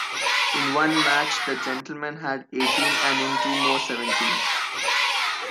In one match the Gentlemen had eighteen and in two more seventeen.